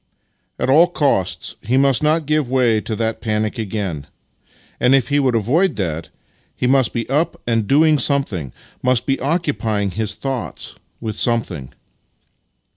At all costs he must not give way to that panic again; and if he would avoid that, he must be up and donig something — must be occupying his thoughts with something.